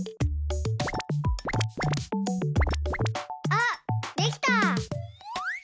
あっできた！